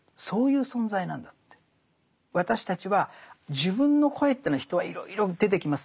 私たちは自分の声というのは人はいろいろ出てきますね。